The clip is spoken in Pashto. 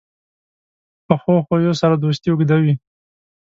پخو خویو سره دوستي اوږده وي